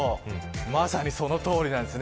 まさにそのとおりなんです。